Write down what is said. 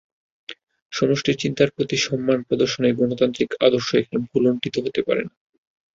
সমষ্টির চিন্তার প্রতি সম্মান প্রদর্শনের গণতান্ত্রিক আদর্শ এখানে ভূলুণ্ঠিত হতে পারে না।